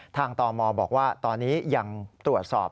ทางต่อหมอบอกว่าตอนนี้ยังตรวจสอบ